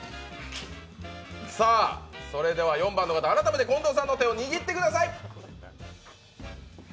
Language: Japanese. さあ、それでは４番の方、改めて近藤さんの手を握ってください。